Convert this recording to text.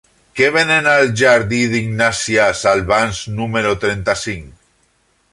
Què venen al jardí d'Ignàsia Salvans número trenta-cinc?